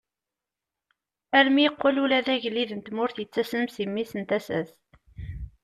Armi yeqqel ula d agellid n tmurt yettasem si mmi n tasa-s.